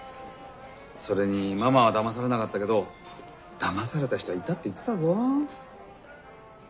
それにママはだまされなかったけどだまされた人はいたって言ってたぞ。